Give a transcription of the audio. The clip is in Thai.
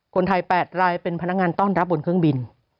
คนไทย๘รายเป็นพนักงานต้อนรับบนเครื่องบิน